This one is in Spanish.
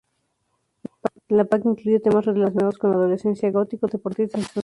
El pack incluye temas relacionados con la adolescencia: "Gótico", "Deportistas" y "Sociedad".